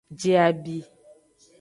Je abi.